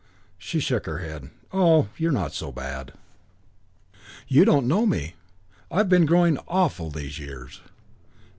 She shook her head. "Oh, you're not so bad." "You don't know me. I've been growing awful these years."